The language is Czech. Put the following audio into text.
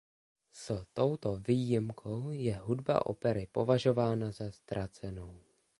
S touto výjimkou je hudba opery považována za ztracenou.